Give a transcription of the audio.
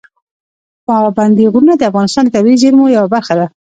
پابندي غرونه د افغانستان د طبیعي زیرمو یوه برخه ده.